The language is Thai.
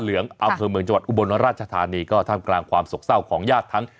เหลืองมาถึงเหมือนจิบอุบลรัชภาณีก็ทำกลางความสกเศร้าของญาติทั้ง